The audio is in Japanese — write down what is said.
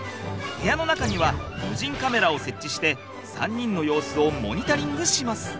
部屋の中には無人カメラを設置して３人の様子をモニタリングします。